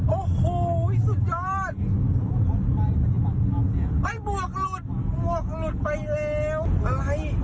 โอ้โหสุดยอดไอ้บวกหลุดหมวกหลุดไปแล้วอะไร